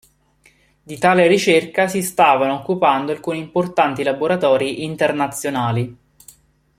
Di tale ricerca si stavano occupando alcuni importanti laboratori internazionali.